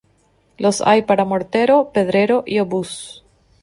Los hay para mortero, pedrero y obús.